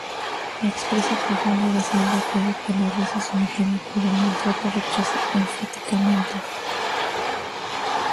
Expresa profunda y decidida piedad por la raza sometida, cuyo maltrato rechaza enfáticamente.